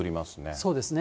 そうですね。